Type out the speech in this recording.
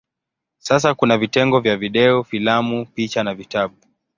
Sasa kuna vitengo vya video, filamu, picha na vitabu.